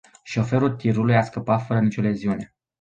Șoferul tirului a scăpat fără nicio leziune.